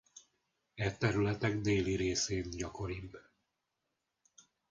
E területek déli részén gyakoribb.